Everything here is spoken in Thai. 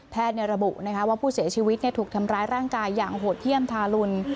ระบุว่าผู้เสียชีวิตถูกทำร้ายร่างกายอย่างโหดเยี่ยมทารุณ